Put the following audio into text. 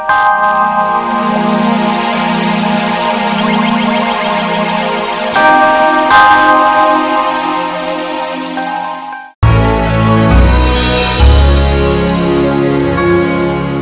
sampai jumpa lagi